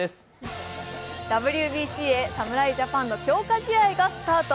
ＷＢＣへ、侍ジャパンの強化試合がスタート。